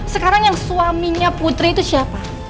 sekarang yang suaminya putri itu siapa